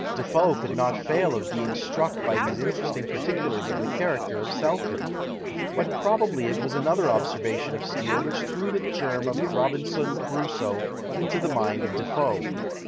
De Foe could not fail of being struck by these interesting particulars of the character of Selkirk; but probably it was another observation of Steele which threw the germ of Robinson Crusoe into the mind of De Foe.